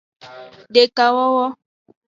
Dekawowo.